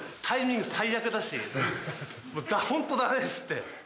タイミング最悪だし本当ダメですって。